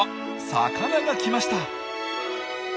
魚が来ました。